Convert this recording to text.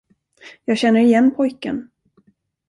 Jag känner igen pojken.